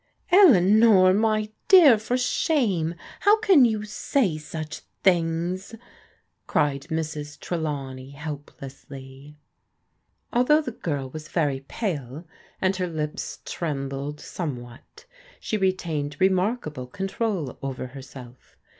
"Eleanor, my dear, for shame! How can you say such things?" cried Mrs. Trelawney helplessly. Although the girl was very pale, and her lips trembled somewhat, she retained remarkable control over herself.